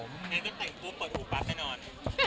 ก็แต่งปุ๊บเปิดหูปั๊บแน่นอน